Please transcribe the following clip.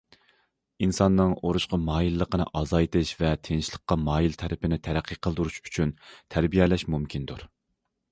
ئىنساننىڭ ئۇرۇشقا مايىللىقىنى ئازايتىش ۋە تىنچلىققا مايىل تەرىپىنى تەرەققىي قىلدۇرۇش ئۈچۈن« تەربىيەلەش» مۇمكىندۇر.